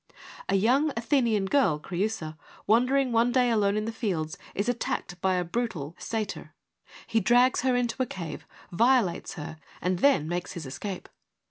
A young Athenian girl, Creusa, wandering one day alone in the fields is attacked by a brutal satyr. He drags her into a cave, violates her and then makes 120 FEMINISM IN GREEK LITERATURE his escape.